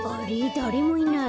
だれもいない。